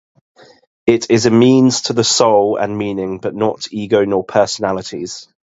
It is a means to the soul and meaning, but not ego nor personalities.